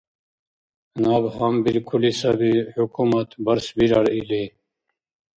Наб гьанбиркули саби, хӀукумат барсбирар или.